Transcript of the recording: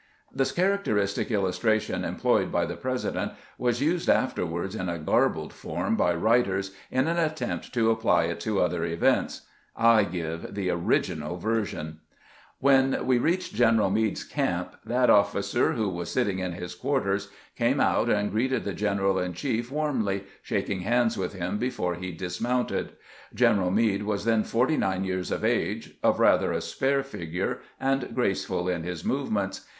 This characteristic illustration employed by the Presi dent was used afterward in a garbled form by writers, in an attempt to apply it to other events. I give the original version. When we reached Greneral Meade's camp, that officer, who was sitting in his quarters, came out and greeted the general in chief warmly, shaking hands with him before he dismounted. G eneral Meade was then forty nine years of age, of rather a spare figure, and graceful in his movements.